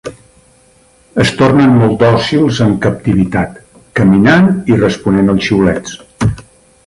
Es tornen molt dòcils en captivitat, caminant i responent als xiulets.